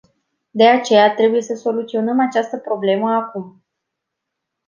De aceea, trebuie să soluționăm această problemă acum.